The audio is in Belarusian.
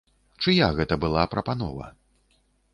Чыя гэта была прапанова?